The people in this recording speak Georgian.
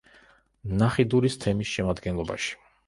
ნახიდურის თემის შემადგენლობაში.